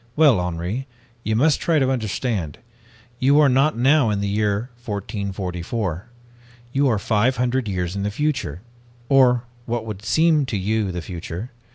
'Well, Henri, you must try to understand. You are not now in the year 1444. You are five hundred years in the future, or what would seem to you the future.